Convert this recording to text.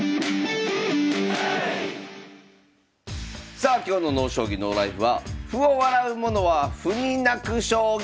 さあ今日の「ＮＯ将棋ＮＯＬＩＦＥ」は「歩を笑うものは歩に泣く将棋」！